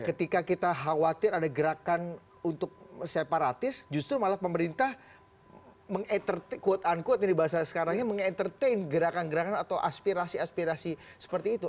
ketika kita khawatir ada gerakan untuk separatis justru malah pemerintah meng enterta quote unquote ini bahasa sekarangnya meng entertain gerakan gerakan atau aspirasi aspirasi seperti itu